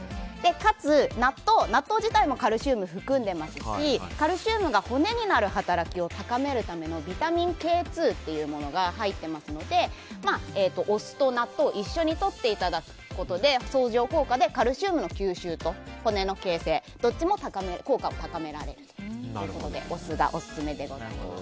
かつ、納豆自体もカルシウムを含んでいますしカルシウムが骨になる働きを高めるためのビタミンＫ２というものが入っていますのでお酢と納豆一緒にとっていただくことで相乗効果でカルシウムの吸収と骨の形成どっちも効果を高められるということでお酢がオススメでございます。